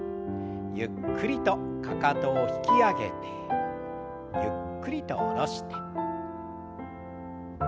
ゆっくりとかかとを引き上げてゆっくりと下ろして。